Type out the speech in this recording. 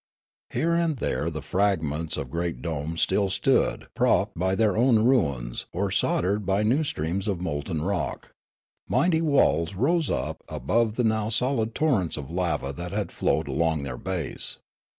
Here and there the fragments of great domes still .stood propped by their own ruins or soldered by new streams of molten rock. Mighty 1 82 Riallaro walls rose up above the now solid torrents of lava that had flowed along their base.